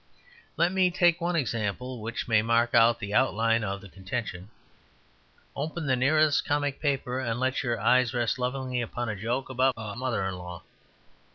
Let me take one example which may mark out the outline of the contention. Open the nearest comic paper and let your eye rest lovingly upon a joke about a mother in law.